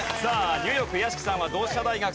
ニューヨーク屋敷さんは同志社大学卒。